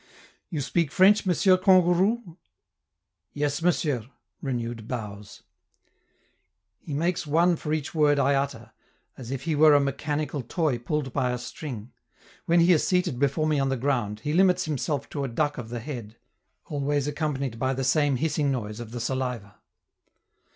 "You speak French, Monsieur Kangourou?" "Yes, Monsieur" (renewed bows). He makes one for each word I utter, as if he were a mechanical toy pulled by a string; when he is seated before me on the ground, he limits himself to a duck of the head always accompanied by the same hissing noise of the saliva.